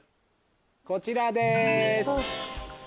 こちらです。